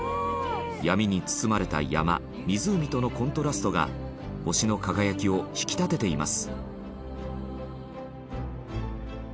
闇に包まれた山湖とのコントラストが星の輝きを引き立てています